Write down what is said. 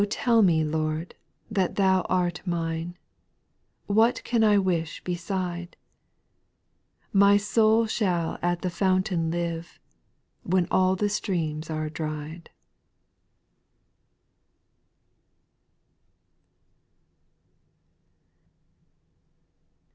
tell me. Lord, that Thou art mine ; What can I wish beside ? My soul shall at the fountain live. When all the streams are dried.